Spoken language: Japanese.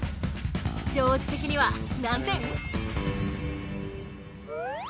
丈司的には何点？